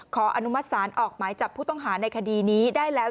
ขออนุมัติศาลออกหมายจับผู้ต้องหาในคดีนี้ได้แล้ว